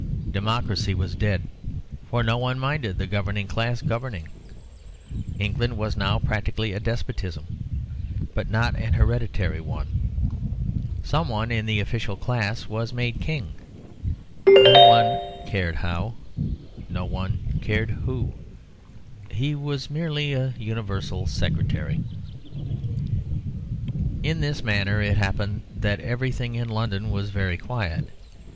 Democracy was dead; for no one minded the governing class governing. England was now practically a despotism, but not an hereditary one. Some one in the official class was made King. No one cared how: no one cared who. He was merely an universal secretary. In this manner it happened that everything in London was very quiet.